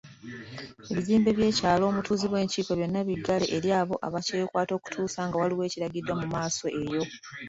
Ebizimbe by'ekyalo omutuuzibwa enkiiko byonna biggale eri abo ababyekwata okutuusa nga waliwo ekirangiriddwa mu maaso eyo.